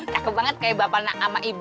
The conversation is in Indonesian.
suka sekali seperti kakak dan ibu